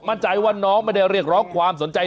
มั่นใจว่าน้องไม่ได้เรียกร้องความสนใจ